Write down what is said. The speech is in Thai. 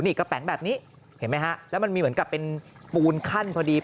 นี่กระแป๋งแบบนี้เห็นไหมฮะแล้วมันมีเหมือนกับเป็นปูนขั้นพอดี